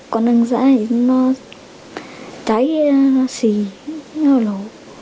con đứng dãi nó cháy nó xì nó nổ